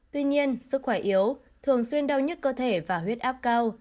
tuy nhiên sức khỏe yếu thường xuyên đau nhức cơ thể và huyết áp cao